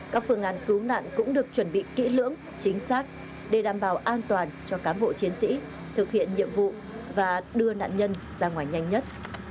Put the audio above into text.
các phương án cứu nạn cũng được chuẩn bị kỹ lưỡng chính xác để đảm bảo an toàn cho cán bộ chiến sĩ thực hiện nhiệm vụ và đưa nạn nhân ra ngoài nhanh nhất